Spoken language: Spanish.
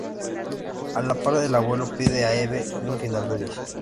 A la par, el abuelo pide a Eve un "final feliz".